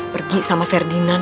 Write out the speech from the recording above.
pergi sama ferdinand